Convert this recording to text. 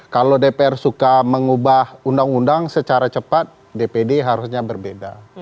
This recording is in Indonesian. kalau dpr suka mengubah undang undang secara cepat dpd harusnya berbeda